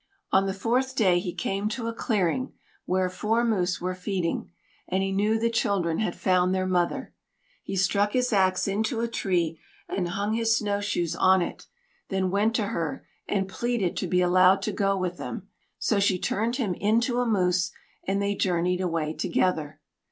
On the fourth day he came to a clearing where four moose were feeding, and he knew the children had found their mother. He struck his axe into a tree and hung his snowshoes on it, then went to her and pleaded to be allowed to go with them; so she turned him into a moose, and they journeyed away together.